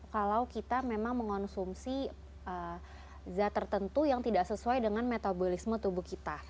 kalau kita memang mengonsumsi zat tertentu yang tidak sesuai dengan metabolisme tubuh kita